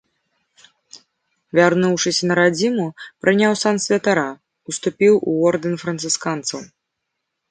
Вярнуўшыся на радзіму, прыняў сан святара, уступіў у ордэн францысканцаў.